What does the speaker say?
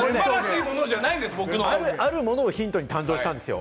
あるものをヒントに誕生したんですよ。